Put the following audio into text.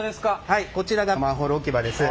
はいこちらがマンホール置き場です。